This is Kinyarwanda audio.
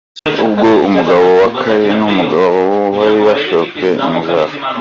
Ubwo umugabo wa Kalira n'umugabo wabo bari bashokeye inka zabo.